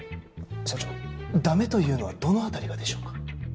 社長「ダメ」というのはどの辺りがでしょうか？